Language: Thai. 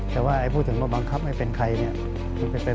แต่พูดถึงเป็นคนไม่เป็นใคร